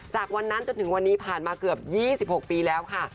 จากวันนั้นจนถึงวันนี้ผ่านมาเกือบ๒๖ปีแล้วค่ะ